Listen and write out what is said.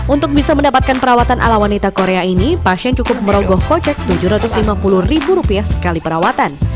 untuk bisa mendapatkan perawatan ala wanita korea ini pasien cukup merogoh kocek rp tujuh ratus lima puluh ribu rupiah sekali perawatan